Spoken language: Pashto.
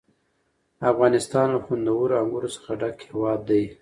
افغانستان له خوندورو انګورو څخه ډک هېواد دی.